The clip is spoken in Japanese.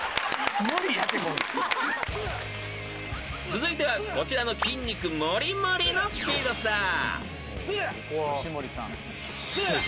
［続いてはこちらの筋肉もりもりのスピードスター］